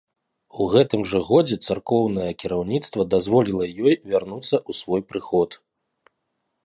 У гэтым жа годзе царкоўнае кіраўніцтва дазволіла ёй вярнуцца ў свой прыход.